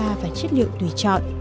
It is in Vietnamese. a ba và chất liệu đùi chọn